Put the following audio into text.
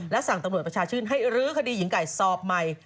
และสั่งตำรวจประชาชื่นให้รื้อคดีหญิงไก่สอบใหม่